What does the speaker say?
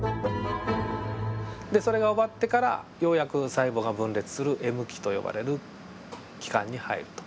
でそれが終わってからようやく細胞が分裂するＭ期と呼ばれる期間に入ると。